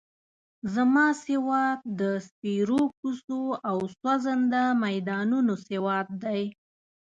زما سواد د سپېرو کوڅو او سوځنده میدانونو سواد دی.